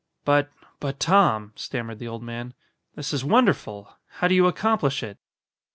"But but, Tom," stammered the old man, "this is wonderful. How do you accomplish it?"